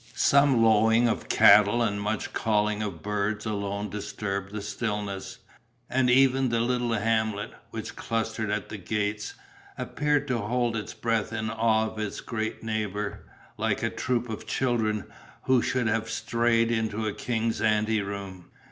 Some lowing of cattle and much calling of birds alone disturbed the stillness, and even the little hamlet, which clustered at the gates, appeared to hold its breath in awe of its great neighbour, like a troop of children who should have strayed into a king's anteroom.